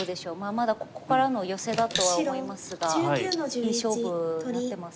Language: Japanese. まだここからのヨセだとは思いますがいい勝負になってますかね？